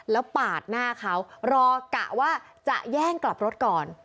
แล้วปาดหน้าเขารอกะว่าจะแย่งกลับรถก่อน